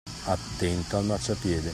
Attento al marciapiede!